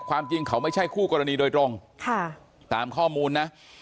ความจริงเขาไม่ใช่คู่กรณีโดยตรงตามข้อมูลนะ